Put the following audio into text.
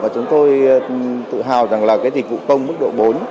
chúng tôi tự hào rằng là cái dịch vụ công mức độ bốn